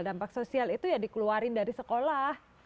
dampak sosial itu ya dikeluarin dari sekolah